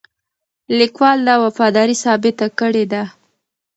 لیکوال دا وفاداري ثابته کړې ده.